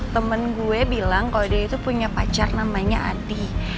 temen gue bilang kalau dia itu punya pacar namanya adi